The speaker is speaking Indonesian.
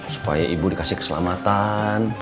supaya ibu dikasih keselamatan